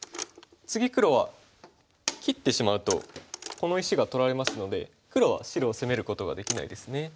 次黒は切ってしまうとこの石が取られますので黒は白を攻めることができないですね。